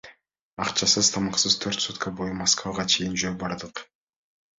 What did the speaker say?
Акчасыз, тамаксыз төрт сутка бою Москвага чейин жөө бардык.